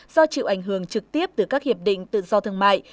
do chịu ảnh hưởng trực tiếp từ các hiệp định tự do thương mại